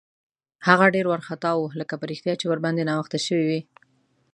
هغه ډېر وارخطا و، لکه په رښتیا چې ورباندې ناوخته شوی وي.